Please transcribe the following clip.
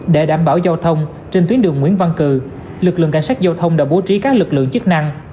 để đảm bảo giao thông trên tuyến đường nguyễn văn cử lực lượng cảnh sát giao thông đã bố trí các lực lượng chức năng